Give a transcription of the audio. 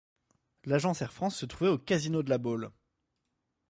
L'agence Air France se trouvait au casino de La Baule.